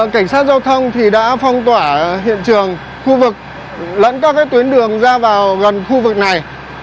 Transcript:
cảnh sát giao thông đã phong tỏa hiện trường khu vực lẫn các tuyến đường ra vào gần khu vực này